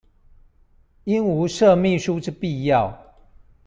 應無設秘書之必要